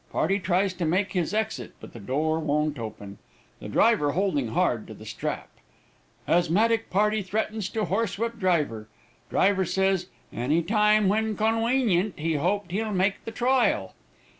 Party tries to make his exit, but the door won't open, the driver holding hard on the strap. Asthmatic party threatens to horsewhip driver. Driver says, 'any time when conwenyent he hoped he'll make the trial.'